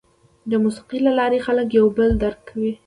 د موسیقۍ له لارې خلک یو بل درک کوي.